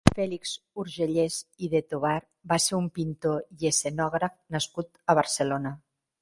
Fèlix Urgellès i de Tovar va ser un pintor i escenògraf nascut a Barcelona.